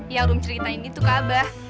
ya rum cerita ini tuh kak mbah